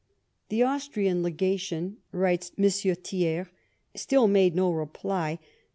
*' The Austrian legation," writes M. Thiers, " still made no reply, but M.